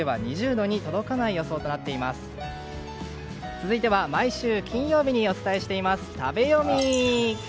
続いては毎週金曜日にお伝えしています食べヨミ。